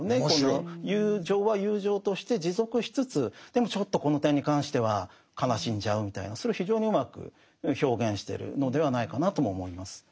友情は友情として持続しつつでもちょっとこの点に関しては悲しんじゃうみたいなそれを非常にうまく表現してるのではないかなとも思います。